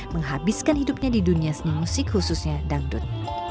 menghabiskan hidupnya di dunia seni musik khususnya dangdut